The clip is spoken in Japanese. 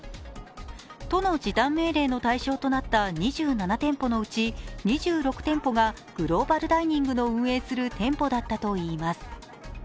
都の時短命令の対象となった２７店舗のうち２６店舗がグローバルダイニングの運営する店舗だったといいます。